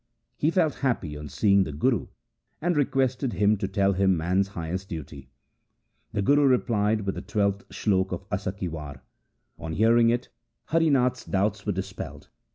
He felt happy on seeing the Guru, and requested him to tell him man's highest duty. The Guru replied with the twelfth slok of Asa ki War. On hearing it Harinath* s doubts were dispelled.